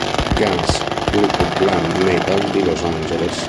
Guns, gruppo glam metal di Los Angeles.